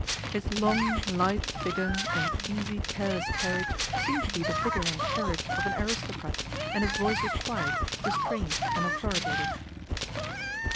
His long, lithe figure, and easy, careless carriage seemed to be the figure and carriage of an aristocrat, and his voice was quiet, restrained, and authoritative.